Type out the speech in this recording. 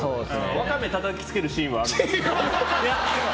ワカメたたきつけるシーンはあるんですか？